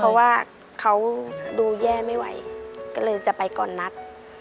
เพราะว่าเขาดูแย่ไม่ไหวก็เลยจะไปก่อนนัด